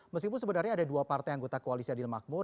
meskipun sebenarnya ada dua partai anggota koalisi yang dilmakmur